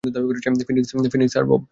Phoenix আর Bob.